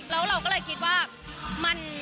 เราก็เลยคิดว่า